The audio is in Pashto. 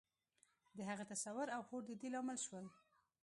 د هغه تصور او هوډ د دې لامل شول.